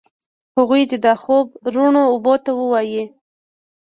هغوی دي دا خوب روڼو اوبو ته ووایي